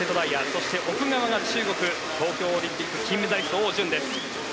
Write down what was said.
そして奥側が中国東京オリンピック金メダリストオウ・ジュンです。